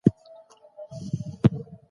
حقوق ورکړئ.